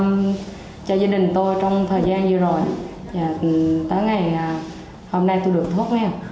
giúp đỡ cho gia đình tôi trong thời gian vừa rồi và tới ngày hôm nay tôi được thuốc nghèo